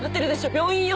病院よ。